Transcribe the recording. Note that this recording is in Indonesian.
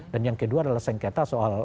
dan yang kedua adalah sengketa soal